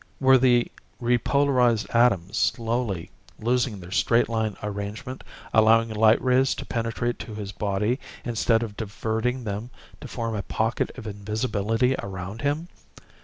Were the repolarized atoms slowly losing their straight line arrangement, allowing light rays to penetrate through to his body instead of diverting them to form a pocket of invisibility around him?